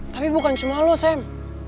tapi bukan cuma lo sam